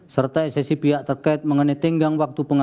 serta ssv pihak terkait mengenai tinggang waktu perubahan